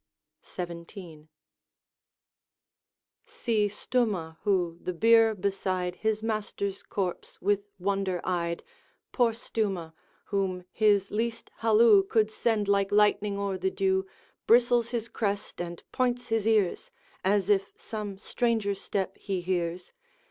XVII. See Stumah, who, the bier beside His master's corpse with wonder eyed, Poor Stumah! whom his least halloo Could send like lightning o'er the dew, Bristles his crest, and points his ears, As if some stranger step he hears.